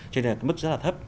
cho nên là mức rất là thấp